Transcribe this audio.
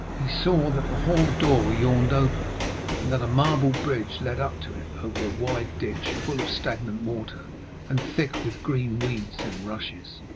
He saw that the hall door yawned open, and that a marble bridge led up to it, over a wide ditch full of stagnant water and thick with green weeds and rushes.